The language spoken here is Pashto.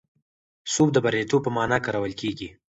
سوب د بریالیتوب په مانا کارول کېږي.